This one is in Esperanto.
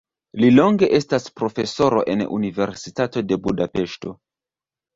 Li longe estas profesoro en Universitato de Budapeŝto.